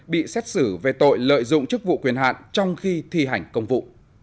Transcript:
bị xét xử về tội lợi dụng chức vụ quyền hạn trong khi thi hành công vụ